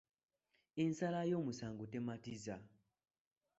Ensala y’omusango tematiza.